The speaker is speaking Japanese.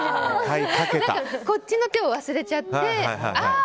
こっちの手を忘れちゃってあー！